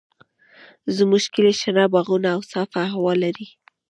زموږ کلی شنه باغونه او صافه هوا لري.